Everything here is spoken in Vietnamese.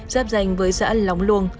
giáp danh với xã lóng luông